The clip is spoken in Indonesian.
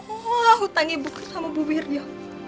untuk hutang ibu sama bu wirjo